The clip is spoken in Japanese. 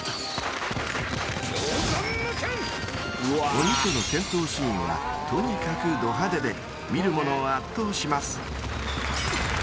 ［鬼との戦闘シーンはとにかくド派手で見る者を圧倒します］